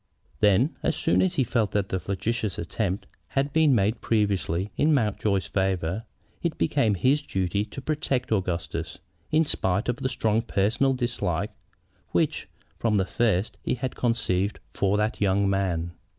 Then, as soon as he felt that the flagitious attempt had been made previously, in Mountjoy's favor, it became his duty to protect Augustus, in spite of the strong personal dislike which from the first he had conceived for that young man.